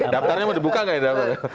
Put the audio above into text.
daftarnya mau dibuka gak ya daftarnya